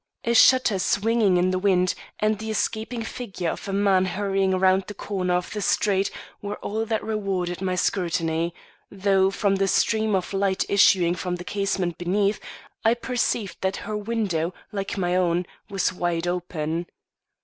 A shutter swinging in the wind, and the escaping figure of a man hurrying round the corner of the street, were all that rewarded my scrutiny; though, from the stream of light issuing from the casement beneath, I perceived that her window, like my own, was wide open.